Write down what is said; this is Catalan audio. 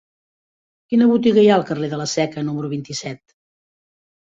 Quina botiga hi ha al carrer de la Seca número vint-i-set?